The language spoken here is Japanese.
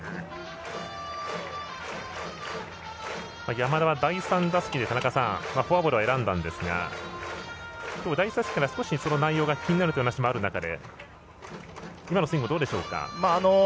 山田は第３打席でフォアボールを選んだんですが第１打席から少しその内容が気になるというお話もある中で今のスイングはどうでしょうか。